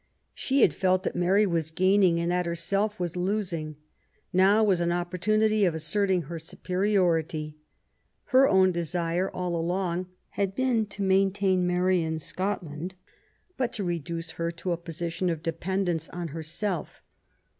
She had felt that Mary was gaining and that herself was losing. ELIZABETH APfD MARY STUART. ^ Now was an opportunity of asserting her superiority. Her own desire all along had been to maintain Mary in Scotland, but to reduce her to a position of de pendence on herself.